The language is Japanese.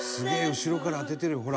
後ろから当ててるよほら」